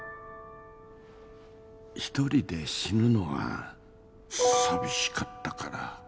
１人で死ぬのは寂しかったから。